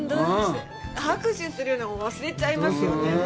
拍手するのも忘れちゃいますよね。